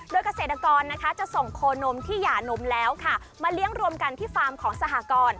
โดยเกษตรกรนะคะจะส่งโคนมที่หย่านมแล้วค่ะมาเลี้ยงรวมกันที่ฟาร์มของสหกร